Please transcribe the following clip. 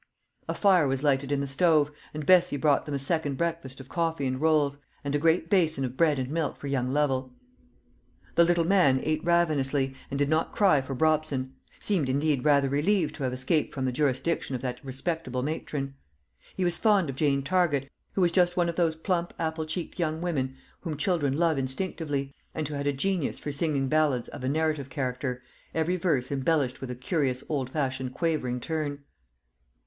A fire was lighted in the stove, and Bessie brought them a second breakfast of coffee and rolls, and a great basin of bread and milk for young Lovel. The little man ate ravenously, and did not cry for Brobson seemed indeed rather relieved to have escaped from the jurisdiction of that respectable matron. He was fond of Jane Target, who was just one of those plump apple cheeked young women whom children love instinctively, and who had a genius for singing ballads of a narrative character, every verse embellished with a curious old fashioned quavering turn.